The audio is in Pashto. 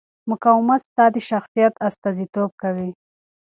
مقاومت ستا د شخصیت استازیتوب کوي.